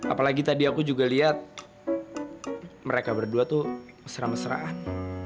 apalagi tadi aku juga lihat mereka berdua tuh mesra mesraan